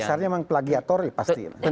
dasarnya memang plagiatori pasti